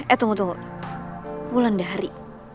eh tunggu tunggu wulandari